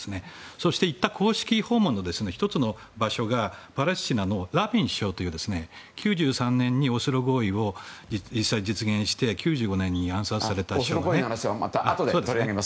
そして行った公式訪問の１つの場所がパレスチナのラビン首相という９３年にオスロ合意を実現して９５年に暗殺された。